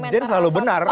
netizen selalu benar